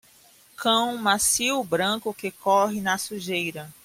Cão macio branco que corre na sujeira.